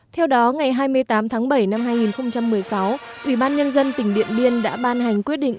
theo đó ngày hai mươi tám tháng bảy năm hai nghìn một mươi sáu ủy ban nhân dân tỉnh điện biên đã ban hành quyết định